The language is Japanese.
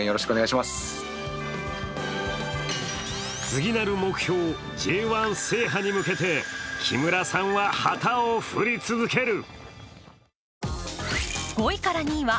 次なる目標、Ｊ１制覇に向けて木村さんは旗を振り続ける。